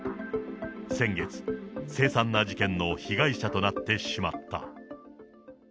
先月、せいさんな事件の被害者となってしまった。